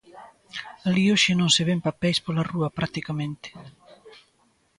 Alí hoxe non se ven papeis pola rúa practicamente.